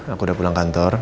aku udah pulang kantor